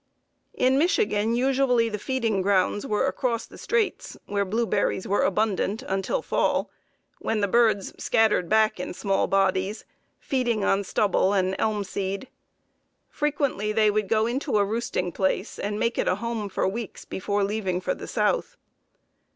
In Michigan usually the feeding grounds were across the straits, where blueberries were abundant, until fall, when the birds scattered back in small bodies, feeding on stubble and elm seed. Frequently they would go into a roosting place, and make it a home for weeks before leaving for the South.